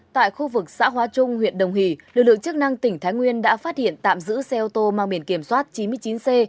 tại khu vực xã hóa trung huyện đồng hỷ lực lượng chức năng tỉnh thái nguyên đã phát hiện tạm giữ xe ô tô mang biển kiểm soát chín mươi chín c hai nghìn chín trăm sáu mươi ba